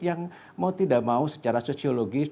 yang mau tidak mau secara sosiologis